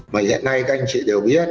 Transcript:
hiện nay các anh chị đều biết